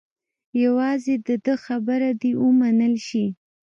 یوازې د ده خبره دې ومنل شي.